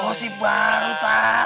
gosip baru ntar